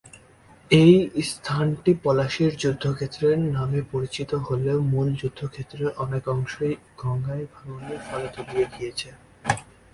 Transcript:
এই স্থানটি পলাশীর যুদ্ধক্ষেত্র নামে পরিচিত হলেও মূল যুদ্ধক্ষেত্রের অনেকটা অংশই গঙ্গায় ভাঙনের ফলে তলিয়ে গিয়েছে।